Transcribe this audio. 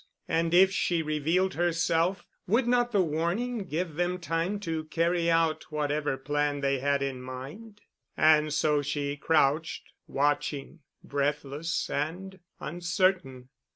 And if she revealed herself, would not the warning give them time to carry out whatever plan they had in mind? And so she crouched watching, breathless and uncertain.